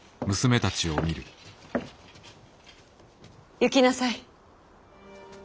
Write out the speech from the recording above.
行きなさい。